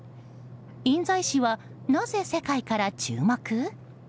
印西市はなぜ世界から注目？